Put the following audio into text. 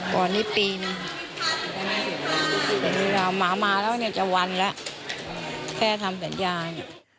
ก่อนนี้ปีนึงแต่เรื่องราวหมามาแล้วเนี่ยจะวันแล้วแค่ทำสัญญาเนี่ย